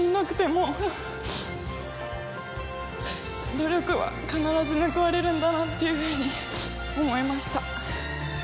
努力は必ず報われるんだなっていうふうに思いました。